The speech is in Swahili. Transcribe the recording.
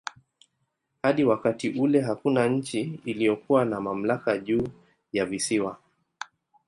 Hadi wakati ule hakuna nchi iliyokuwa na mamlaka juu ya visiwa.